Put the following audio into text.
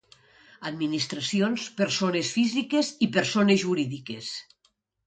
Administracions, persones físiques i persones jurídiques.